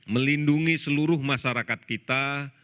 melindungi seluruh masyarakat kita